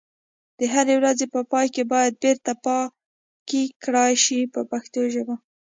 د هرې ورځې په پای کې باید بیرته پاکي کړای شي په پښتو ژبه.